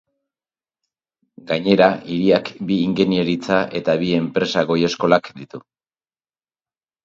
Gainera hiriak bi ingeniaritza eta bi enpresa goi-eskolak ditu.